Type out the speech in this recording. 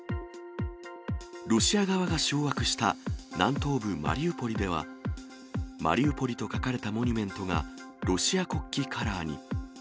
ロシア側が掌握した南東部マリウポリでは、マリウポリと書かれたモニュメントがロシア国旗カラーに。